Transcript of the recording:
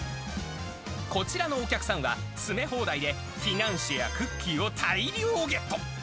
こちらのお客さんは、詰め放題でフィナンシェやクッキーを大量ゲット。